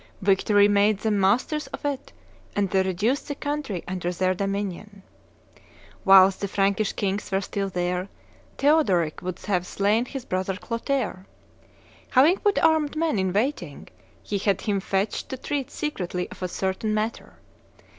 ... Victory made them masters of it, and they reduced the country under their dominion. ... Whilst the Frankish kings were still there, Theodoric would have slain his brother Clotaire. Having put armed men in waiting, he had him fetched to treat secretly of a certain matter.